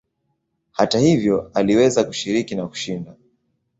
Hata hivyo aliweza kushiriki na kushinda.